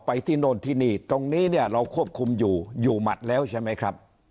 ที่โน่นที่นี่ตรงนี้เนี่ยเราควบคุมอยู่อยู่หมัดแล้วใช่ไหมครับ